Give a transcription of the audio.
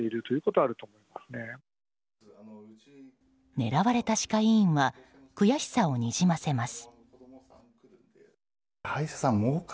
狙われた歯科医院は悔しさをにじませます。